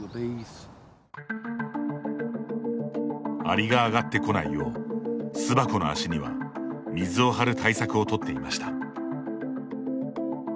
アリが上がってこないよう巣箱の足には水を張る対策を取っていました。